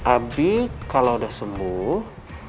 abi kalau sudah sembuh